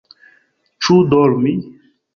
Ĉu dormi?